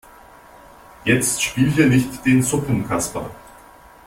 Jetzt spiel hier nicht den Suppenkasper.